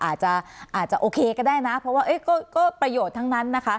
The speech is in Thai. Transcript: อาจจะโอเคก็ได้นะเพราะว่าก็ประโยชน์ทั้งนั้นนะคะ